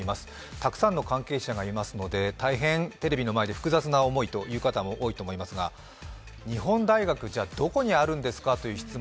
たくさんの関係者がいますので、大変テレビの前でも複雑な思いという意見があると思うんですが、日本大学、どこにあるんですかという質問